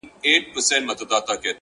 زه د بـلا سـره خـبري كـوم؛